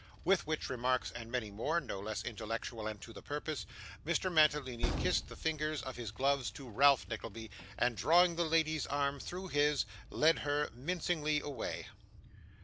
With which remarks, and many more, no less intellectual and to the purpose, Mr. Mantalini kissed the fingers of his gloves to Ralph Nickleby, and drawing his lady's arm through his, led her mincingly away.